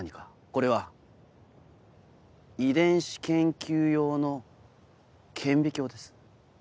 これは遺伝子研究用の顕微鏡です。